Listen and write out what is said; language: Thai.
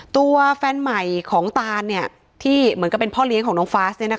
ตัวแฟนใหม่ของตานที่เหมือนกับเป็นพ่อเลี้ยงของน้องฟาส